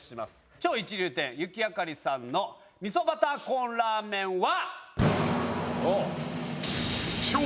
超一流店雪あかりさんの味噌バターコーンラーメンは？